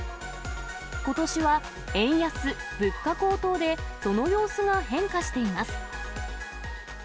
ことしは円安、物価高騰で、その様子が変化しています。